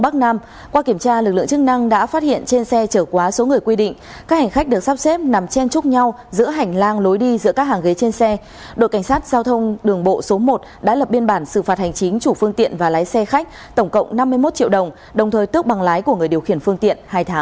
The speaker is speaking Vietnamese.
các bạn hãy đăng ký kênh để ủng hộ kênh của mình nhé